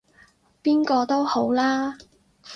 邊個都好啦